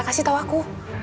kasih tau aku